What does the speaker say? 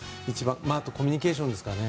あとはコミュニケーションですかね。